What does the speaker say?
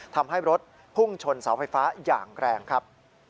ทำให้รถพุ่งชนเสาไฟฟ้าอย่างแรงครับ